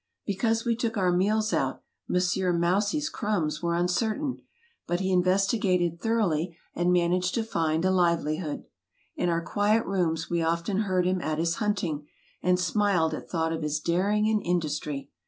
Because we took our meals out, Monsieur Mousie's crumbs were uncertain; but he investigated thoroughly and managed to find a livelihood. In our quiet rooms we often heard him at his hunting, and smiled at thought of his daring and industry.